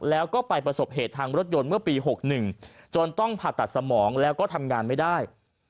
แล้วก็ไปประสบเหตุทางรถยนต์เมื่อปี๖๑จนต้องผ่าตัดสมองแล้วก็ทำงานไม่ได้